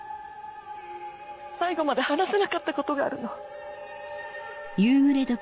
最後まで話せなかったことがあるの。